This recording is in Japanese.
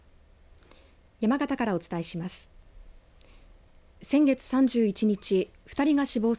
山形からお伝えします。